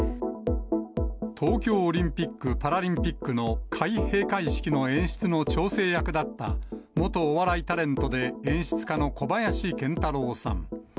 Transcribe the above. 東京オリンピック・パラリンピックの開閉会式の演出の調整役だった、元お笑いタレントで演出家の小林賢太郎さん。